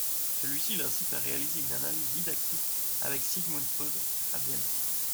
Celui-ci l'incite à réaliser une analyse didactique avec Sigmund Freud, à Vienne.